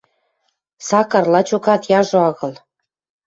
— Сакар, лачокат, яжо агыл.